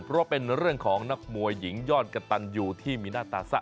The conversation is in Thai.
เพราะเป็นเรื่องของนักมวยหญิงยอดกระตันอยู่ที่มีหน้าตาซะ